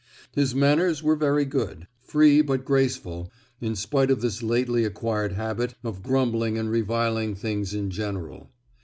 His manners were very good—free but graceful—in spite of this lately acquired habit of grumbling and reviling things in general.